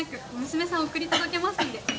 娘さんは送り届けますんで。